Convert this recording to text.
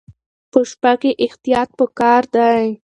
په شپه کې احتیاط پکار دی.